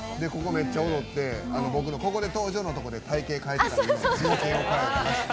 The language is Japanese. めっちゃ踊って僕の「ここで登場」のところで隊形変えて、陣形変えたりして。